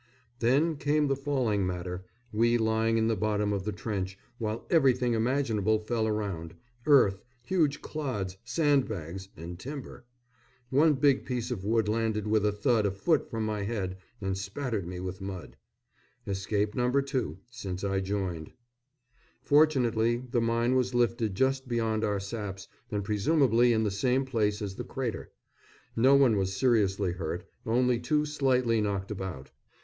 Then came the falling matter, we lying in the bottom of the trench, while everything imaginable fell around earth huge clods sandbags and timber. One big piece of wood landed with a thud a foot from my head and spattered me with mud. Escape No. 2 since I joined. Fortunately the mine was lifted just beyond our saps, and presumably in the same place as the crater. No one was seriously hurt only two slightly knocked about.